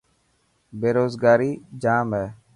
بيروزگاري ڄام هي.